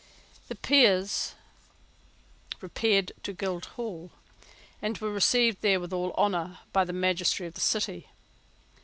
The Peers repaired to Guildhall, and were received there with all honour by the magistracy of the city.